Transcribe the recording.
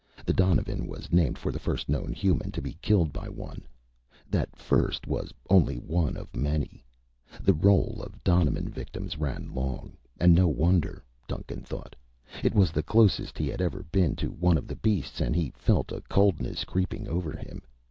The donovan was named for the first known human to be killed by one. That first was only one of many. The roll of donovan victims ran long, and no wonder, Duncan thought. It was the closest he had ever been to one of the beasts and he felt a coldness creeping over him.